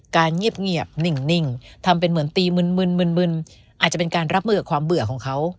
เงียบนิ่งทำเป็นเหมือนตีมึนมึนอาจจะเป็นการรับมือกับความเบื่อของเขา